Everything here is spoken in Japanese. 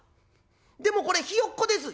「でもこれひよっこです」。